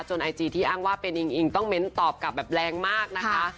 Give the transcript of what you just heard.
ไอจีที่อ้างว่าเป็นอิงอิงต้องเน้นตอบกลับแบบแรงมากนะคะ